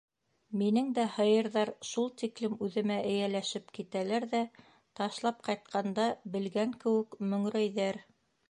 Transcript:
Минең дә һыйырҙар шул тиклем үҙемә эйәләшеп китәләр ҙә ташлап ҡайтҡанда белгән кеүек мөңрәйҙәр.